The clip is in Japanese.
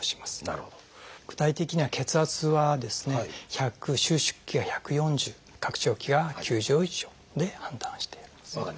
具体的には血圧は収縮期が１４０拡張期が９０以上で判断しています。